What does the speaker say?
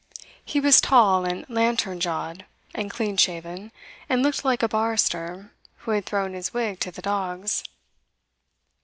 He was tall and lantern jawed, and clean shaven, and looked like a barrister who had thrown his wig to the dogs.